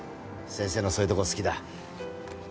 先生のそういうとこ好きだ。